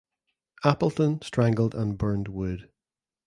Appleton strangled and burned Wood.